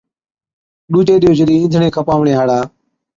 ڏُوجي ڏِيئو جِڏ اِينڌڻي کپاوَڻي هاڙا